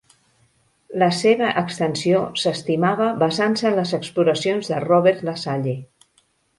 La seva extensió s'estimava basant-se en les exploracions de Robert La Salle.